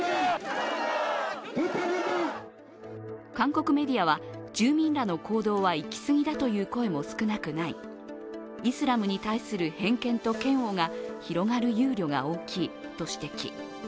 韓国メディアは、住民らの行動は行き過ぎだという声も少なくない、イスラムに対する偏見と嫌悪が広がる憂慮が大きいと指摘。